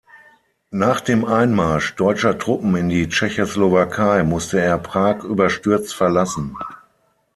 Nach dem Einmarsch deutscher Truppen in die Tschechoslowakei musste er Prag überstürzt verlassen.